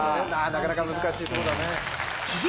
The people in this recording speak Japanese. なかなか難しいとこだね。